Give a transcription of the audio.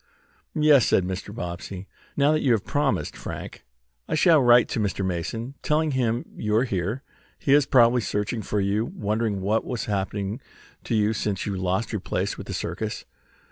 "Yes," said Mr. Bobbsey. "Now that you have promised, Frank, I shall write to Mr. Mason, telling him you are here. He is probably searching for you, wondering what has happened to you since you lost your place with the circus."